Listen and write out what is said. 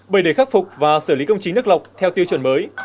bày đề khắc phục và xử lý công trình nước lọc theo tiêu chuẩn mới